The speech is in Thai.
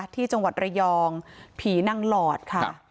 ที่จังหวัดระยองผีนางหลอดค่ะ